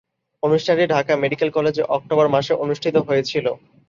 অনুষ্ঠানটি ঢাকা মেডিকেল কলেজে অক্টোবর মাসে অনুষ্ঠিত হয়েছিলো।